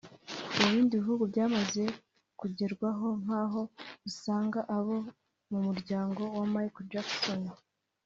Mu bindi bihugu byamaze kugerwaho nk’aho usanga abo mu muryango wa Michael Jackson